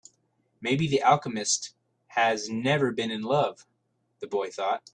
Maybe the alchemist has never been in love, the boy thought.